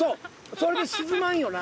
それで沈まんよな。